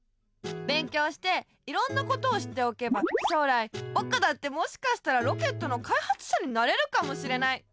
勉強していろんなことを知っておけば将来ぼくだってもしかしたらロケットのかいはつしゃになれるかもしれない。